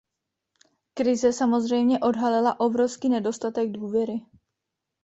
Krize samozřejmě odhalila obrovský nedostatek důvěry.